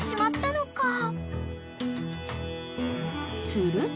［すると］